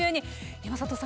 山里さん